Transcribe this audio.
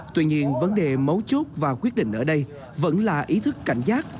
tuy nhiên vấn đề mấu chốt và quyết định ở đây vẫn là ý thức cảnh giác